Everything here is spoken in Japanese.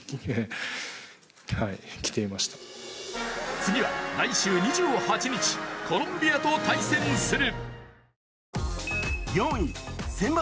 次は来週２８日、コロンビアと対戦する。